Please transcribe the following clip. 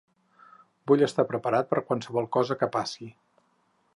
Vull estar preparat per a qualsevol cosa que passi.